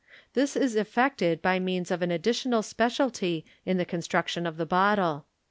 This is effected by mean9 of an MOD ERA MAGIC 375 additional speciality in the construction of the bottle.